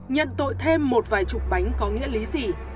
nhận tội thêm một vài chục bánh có nghĩa lý gì